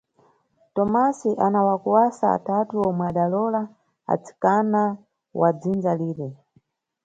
Tomasi ana wakuwasa atatu omwe adalowola atsikana wa dzindza lire.